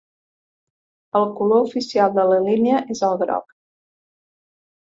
El color oficial de la línia és el groc.